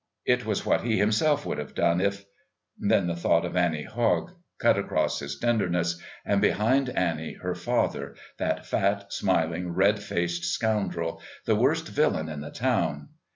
It was what he himself would have done if then the thought of Annie Hogg cut across his tenderness and behind Annie her father, that fat, smiling, red faced scoundrel, the worst villain in the town.